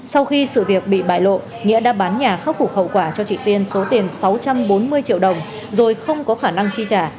sau khi sự việc bị bại lộ nghĩa đã bán nhà khắc phục hậu quả cho chị tiên số tiền sáu trăm bốn mươi triệu đồng rồi không có khả năng chi trả